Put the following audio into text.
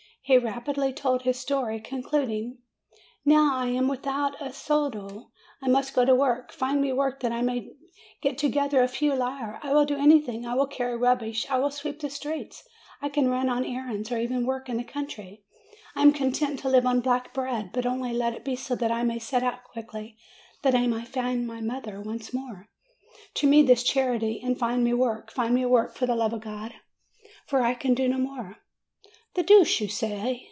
He rapidly told his story concluding: "Now I am without a soldo. I must go to work. Find me work, that I may get together a few lire. I will do anything ; I will carry rubbish, I will sweep the streets; I can run on errands, or even work in the country ; I am content to live on black bread ; but only let it be so that I may set out quickly, that I may find my mother once more. Do me this charity, and find me work, find me work, for the love of God, for I can do no more!" "The deuce you say!"